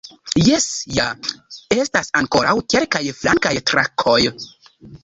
Jes ja, estas ankoraŭ kelkaj flankaj trakoj.